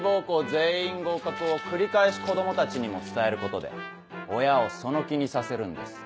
全員合格を繰り返し子供たちにも伝えることで親をその気にさせるんです。